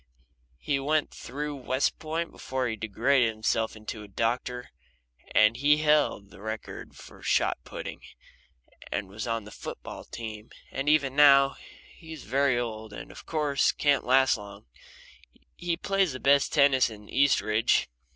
He went through West Point before he degraded himself into a doctor, and he held the record there for shot putting, and was on the foot ball team, and even now, when he's very old and of course can't last long, he plays the best tennis in Eastridge.